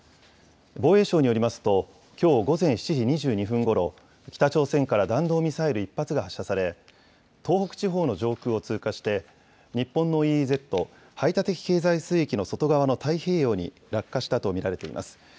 防衛省によりますと、きょう午前７時２２分ごろ、北朝鮮から弾道ミサイル１発が発射され、東北地方の上空を通過して、日本のＥＥＺ・排他的経済水域の外側の太平洋に落下したと見られています。